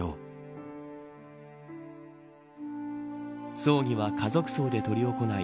葬儀は家族葬で執り行い